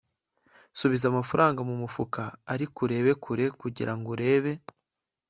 subiza amafaranga mumufuka ariko urebe kure kugirango urebe